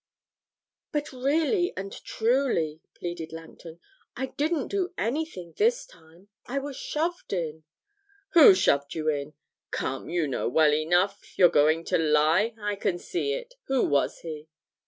'But really and truly,' pleaded Langton, 'I didn't do anything this time. I was shoved in.' 'Who shoved you in? Come, you know well enough; you're going to lie, I can see. Who was he?'